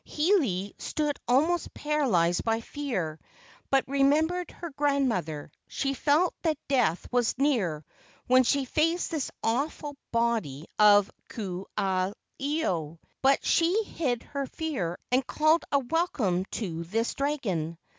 Hiilei stood almost paralyzed by fear, but re¬ membered her grandmother. She felt that death was near when she faced this awful body of Ku aha ilo. But she hid her fear and called a welcome to this dragon.